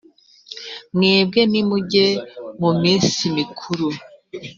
mwebwe nimujye mu minsi mikuru